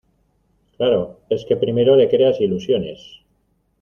claro, es que primero le creas ilusiones